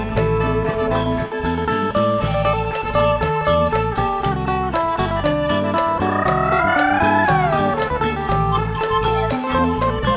โชว์ฮีตะโครน